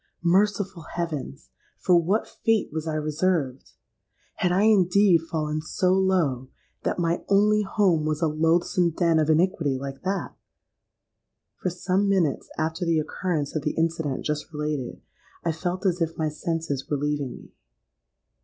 Merciful heavens! for what fate was I reserved? Had I indeed fallen so low that my only home was a loathsome den of iniquity like that? For some minutes after the occurrence of the incident just related, I felt as if my senses were leaving me.